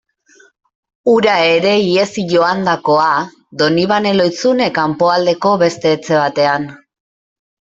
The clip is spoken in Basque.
Hura ere ihesi joandakoa, Donibane Lohizune kanpoaldeko beste etxe batean...